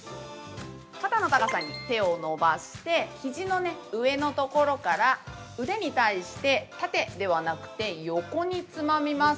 肩の高さに手を伸ばしてひじの上のところから腕に対して縦ではなくて横につまみます。